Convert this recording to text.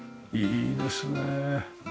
いいですね。